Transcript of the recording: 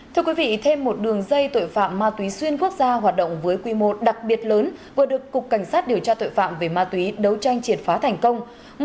thưa quý vị thêm một đường dây tội phạm ma túy xuyên quốc gia hoạt động với quy mô đặc biệt lớn vừa được cục cảnh sát điều tra tội phạm về ma túy đấu tranh triệt phá thành công